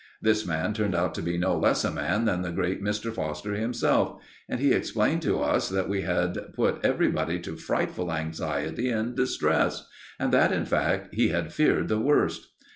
This man turned out to be no less a man than the great Mr. Foster himself, and he explained to us that we had put everybody to frightful anxiety and distress, and that, in fact, he had feared the worst.